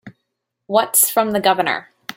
What's from the Governor?